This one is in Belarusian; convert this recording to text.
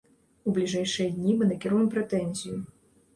У бліжэйшыя дні мы накіруем прэтэнзію.